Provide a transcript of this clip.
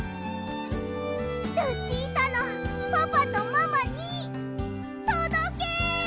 ルチータのパパとママにとどけ！